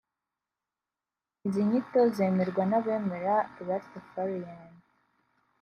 Izi nyito zemerwa n’abemera Rastafarian